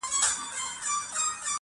خدايه دا ټـپه مي په وجود كـي ده.